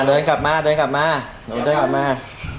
เดินกลับมาเดินกลับมาเดินกลับมา